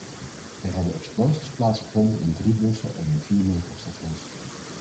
Er hebben explosies plaatsgevonden in drie bussen en in vier metrostations.